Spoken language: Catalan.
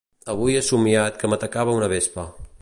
Avui he somiat que m'atacava una vespa.